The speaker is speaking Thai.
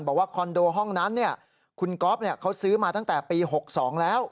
คอนโดห้องนั้นคุณก๊อฟเขาซื้อมาตั้งแต่ปี๖๒แล้ว